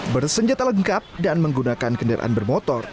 bersenjata lengkap dan menggunakan kendaraan bermotor